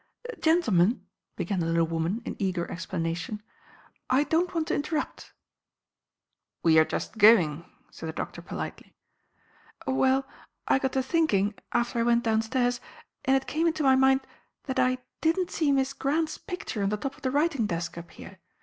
"Gentlemen," began the little woman in eager explanation, "I don't want to interrupt." "We are just going," said the doctor politely. "Oh, well, I got to thinking, after I went downstairs, and it came into my mind that I didn't see Miss Grant's picture on the top of the writing desk up here.